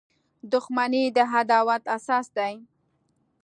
• دښمني د عداوت اساس دی.